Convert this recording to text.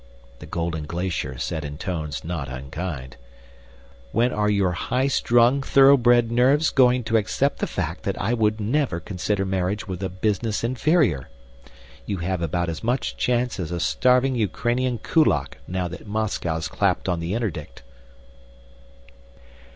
the Golden Glacier said in tones not unkind. "When are your high strung, thoroughbred nerves going to accept the fact that I would never consider marriage with a business inferior? You have about as much chance as a starving Ukrainian kulak now that Moscow's clapped on the interdict."